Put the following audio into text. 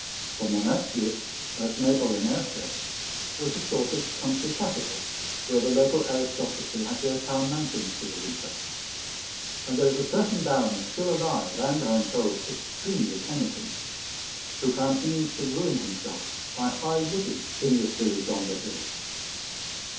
For Monastier, like Maybole in Ayrshire, was a sort of country capital, where the local aristocracy had their town mansions for the winter; and there is a certain baron still alive and, I am told, extremely penitent, who found means to ruin himself by high living in this village on the hills.